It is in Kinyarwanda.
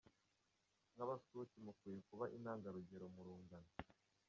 Nk’abaskuti mukwiye kuba intangarugero mu rungano”.